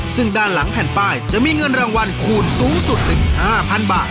ซึ่งด้านหลังแผ่นป้ายจะมีเงินรางวัลคูณสูงสุดถึง๕๐๐๐บาท